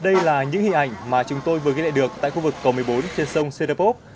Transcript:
đây là những hình ảnh mà chúng tôi vừa ghi lại được tại khu vực cầu một mươi bốn trên sông sơn đa bốc